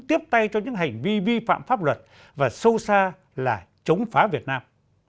tiếp tay cho những hành vi vi phạm pháp luật và sâu xa là chống phá việt nam